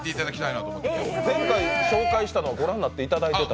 前回、紹介したのはご覧になっていただいてた？